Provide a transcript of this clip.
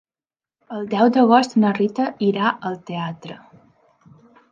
El deu d'agost na Rita irà al teatre.